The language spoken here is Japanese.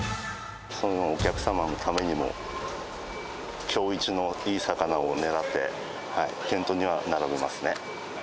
お客様のためにも、きょう一のいい魚を狙って、店頭には並びますね。